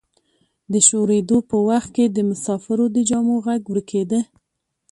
د شورېدو په وخت کې د مسافرو د جامو غږ ورکیده.